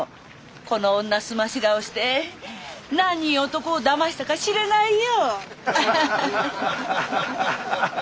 この女澄まし顔して何人男をだましたかしれないよ。